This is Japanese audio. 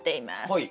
はい。